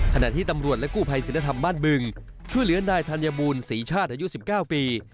ขณะที่ตำรวจและกู้ภัยศิลธรรมบ้านบึงช่วยเหลือนายธัญบูรณศรีชาติอายุ๑๙ปี